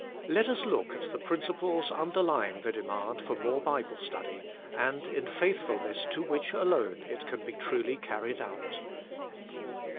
Let us look at the principles underlying the demand for more Bible study, and in faithfulness to which alone, it can be truly carried out.